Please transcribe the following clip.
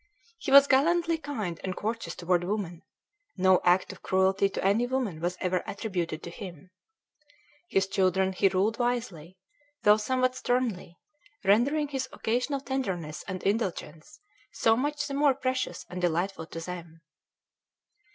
He was gallantly kind and courteous toward women; no act of cruelty to any woman was ever attributed to him. His children he ruled wisely, though somewhat sternly, rendering his occasional tenderness and indulgence so much the more precious and delightful to them.